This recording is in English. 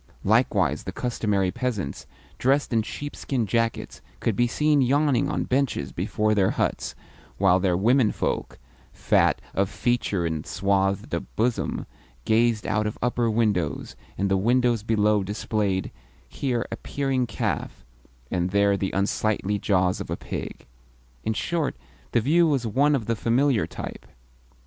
Likewise the customary peasants, dressed in sheepskin jackets, could be seen yawning on benches before their huts, while their womenfolk, fat of feature and swathed of bosom, gazed out of upper windows, and the windows below displayed, here a peering calf, and there the unsightly jaws of a pig. In short, the view was one of the familiar type.